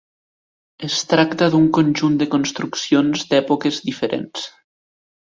Es tracta d'un conjunt de construccions d'èpoques diferents.